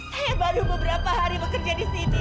saya baru beberapa hari bekerja di sini